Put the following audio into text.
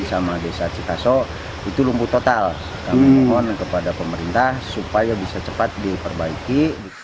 dan desa cikaso itu lumpuh total kami mohon kepada pemerintah supaya bisa cepat diperbaiki